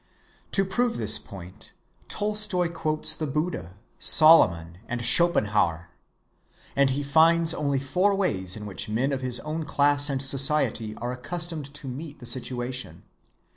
To prove this point, Tolstoy quotes the Buddha, Solomon, and Schopenhauer. And he finds only four ways in which men of his own class and society are accustomed to meet the situation.